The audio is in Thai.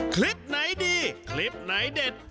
คลิปไหนดีคลิปไหนเด็ด